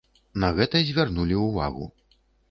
На гэта звярнулі ўвагу.